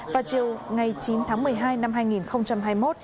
vào chiều ngày chín tháng một mươi hai năm hai nghìn hai mươi một